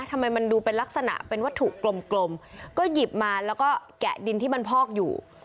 ทำไมมันดูเป็นลักษณะเป็นวัตถุกลมก็หยิบมาแล้วก็แกะดินที่มันพอกอยู่